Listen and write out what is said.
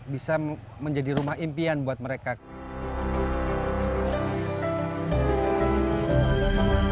bisa menjadi rumah impian buat mereka